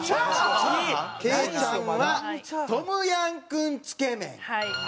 ケイちゃんはトムヤムクンつけ麺。